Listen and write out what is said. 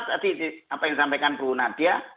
tadi apa yang disampaikan bu nadia